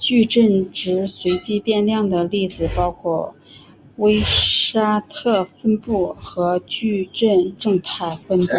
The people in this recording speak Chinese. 矩阵值随机变量的例子包括威沙特分布和矩阵正态分布。